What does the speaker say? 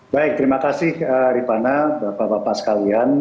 baik terima kasih rifana bapak bapak sekalian